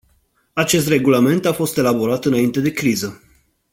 Acest regulament a fost elaborat înainte de criză.